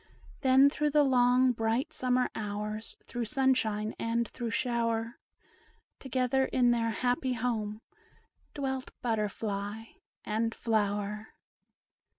Then, through the long, bright summer hours Through sunshine and through shower, Together in their happy home Dwelt butterfly and flower.